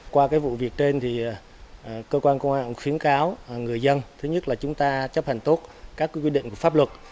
qua cái vụ việc trên thì cơ quan công an khuyến cáo người dân thứ nhất là chúng ta chấp hành tốt các quy định của pháp luật